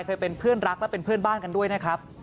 เคยเป็นเพื่อนรักและเป็นเพื่อนบ้านกันด้วยนะครับ